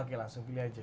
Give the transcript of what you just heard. oke langsung pilih aja